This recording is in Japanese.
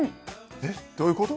えっどういうこと？